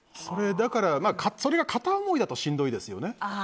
だから、それが片思いだとしんどいですよね。